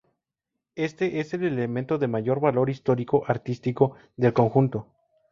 Éste es el elemento de mayor valor histórico-artístico del conjunto.